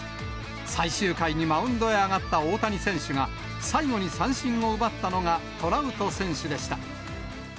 最終回にマウンドへ上がった大谷選手が、最後に三振を奪ったのがトラウト選手でした。